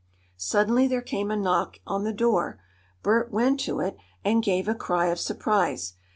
Suddenly there came a knock on the door. Bert went to it and gave a cry of surprise.